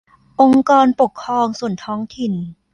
องค์กรปกครองส่วนท้องถิ่น